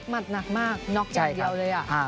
หมัดหนักมากน็อกยังเดียวเลยอ่ะใช่ค่ะ